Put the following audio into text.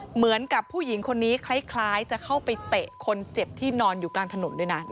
เหมือนกับผู้หญิงคนนี้คล้ายจะเข้าไปเตะคนเจ็บที่นอนอยู่กลางถนนด้วยนะ